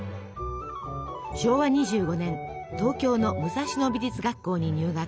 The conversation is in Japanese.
昭和２５年東京の武蔵野美術学校に入学。